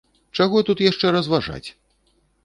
Чаго тут яшчэ разважаць!